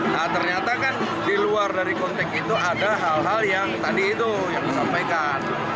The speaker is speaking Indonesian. nah ternyata kan di luar dari konteks itu ada hal hal yang tadi itu yang disampaikan